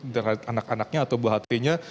dengan anak anaknya atau buah hatinya